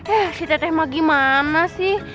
eh si teteh mah gimana sih